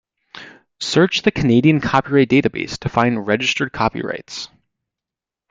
Search the Canadian Copyrights Database to find registered copyrights.